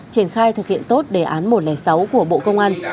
triển khai thực hiện tốt đề án một trăm linh sáu của bộ công an